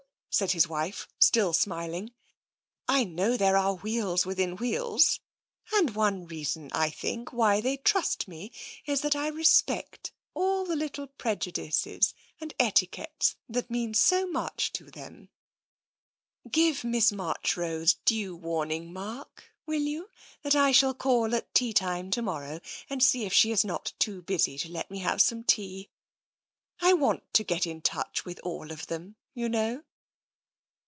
said his wife, still smiling. " I know there are wheels within wheels, and one reason, I think, why they trust me is that I respect all the little prejudices and etiquettes that mean so much to them. Give Miss Marchrose due warning, Mark, will you, that I shall call at tea time to morrow and see if she is not too busy to let me have some tea. I want to get into touch with all of them, you know."